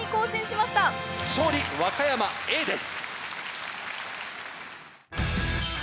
勝利和歌山Ａです。